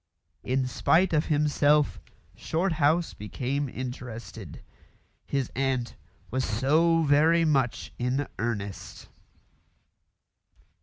In spite of himself Shorthouse became interested. His aunt was so very much in earnest.